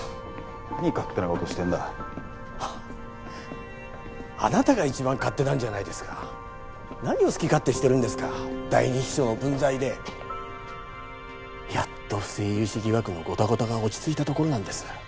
何勝手なことしてんだあなたが一番勝手なんじゃないですか何を好き勝手してるんですか第二秘書の分際でやっと不正融資疑惑のゴタゴタが落ち着いたところなんです